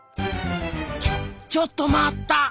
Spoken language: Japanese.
ちょちょっと待った！